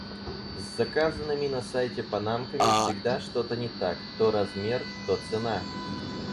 С заказанными на сайте панамками всегда что-то не так. То размер, то цена...